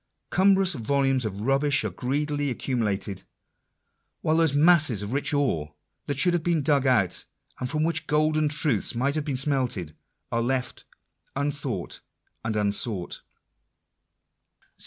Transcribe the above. Cumbrous volumes of rubbish are greedily accu mulated, whilst those masses of rich ore, that should have been dag out, and from which golden truths might have been smelted, are left unthought of and unsought §6.